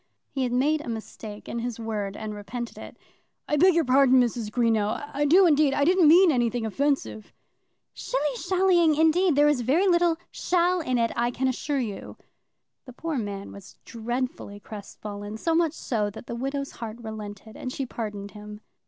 He had made a mistake in his word and repented it. "I beg your pardon, Mrs. Greenow; I do indeed. I didn't mean anything offensive." "Shilly shallying, indeed! There's very little shall in it, I can assure you." The poor man was dreadfully crestfallen, so much so that the widow's heart relented, and she pardoned him.